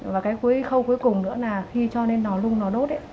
và cái khâu cuối cùng nữa là khi cho nên nó lung nó đốt